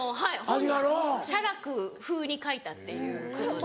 ・味がある・写楽風に描いたっていうことで。